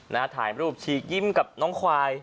ถ่ายรูปฉีกยิ้มกับน้องควาย